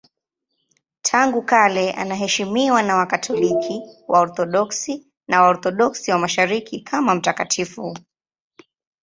Tangu kale anaheshimiwa na Wakatoliki, Waorthodoksi na Waorthodoksi wa Mashariki kama mtakatifu.